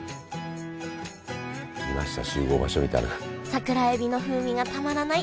桜えびの風味がたまらない